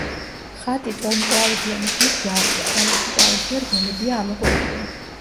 ხატი ტოლმკლავებიანი ქვის ჯვარია, რომლის მკლავებზე რგოლებია ამოკვეთილი.